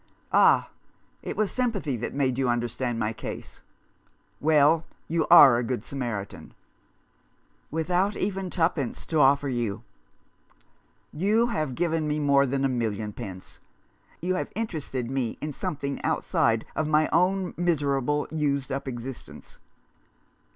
" Ah ; it was sympathy that made you understand my case. Well, you are a Good Samaritan "" Without even twopence to offer you." "You have given me more than a million pence. You have interested me in something outside my own miserable used up existence.